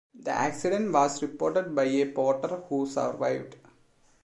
The accident was reported by a porter who survived.